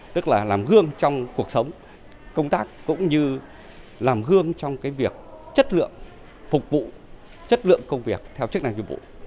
tức là làm gương trong cuộc sống công tác cũng như làm gương trong việc chất lượng phục vụ chất lượng công việc theo chức năng nhiệm vụ